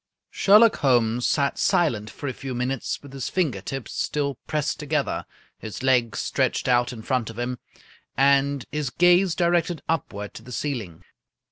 Sherlock Holmes sat silent for a few minutes with his finger tips still pressed together, his legs stretched out in front of him, and his gaze directed upward to the ceiling.